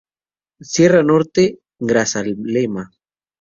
Sierra Norte, Grazalema.